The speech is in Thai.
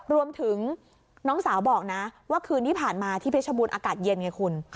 รวมถึงน้องสาวบอกนะว่าคืนที่ผ่านมาที่เพชรบูรณอากาศเย็นไงคุณ